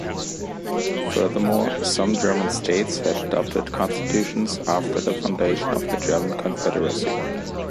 Furthermore, some German states had adopted constitutions after the foundation of the German Confederacy.